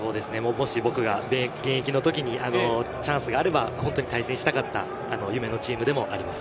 もし僕が現役の時にチャンスがあれば、本当に対戦したかった夢のチームでもあります。